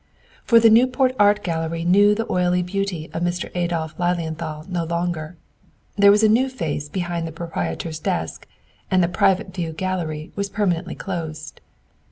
For the Newport Art Gallery knew the oily beauty of Mr. Adolph Lilienthal no longer. There was a new face behind the proprietor's desk, and the "private view" gallery was permanently closed.